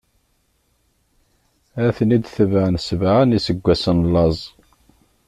Ad ten-id-tebɛen sebɛa n iseggwasen n laẓ.